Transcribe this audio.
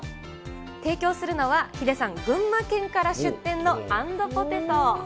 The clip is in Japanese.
提供するのはヒデさん、群馬県から出店の＆ｐｏｔａｔｏ。